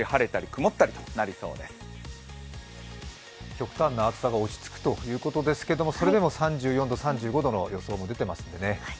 極端な暑さが落ち着くということですけども、それでも３４度３５度の予想も出ていますのでね。